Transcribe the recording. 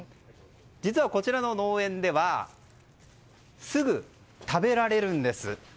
実は、こちらの農園ではすぐ食べられるんです。